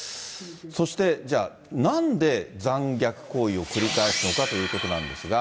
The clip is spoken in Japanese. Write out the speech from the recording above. そして、じゃあ、なんで残虐行為を繰り返すのかということですが。